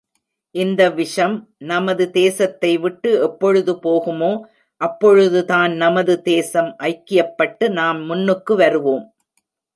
இந்த விஷம் நமது தேசத்தைவிட்டு எப்பொழுது போகுமோ, அப்பொழுது தான் நமது தேசம் ஐக்கியப்பட்டு, நாம் முன்னுக்கு வருவோம்.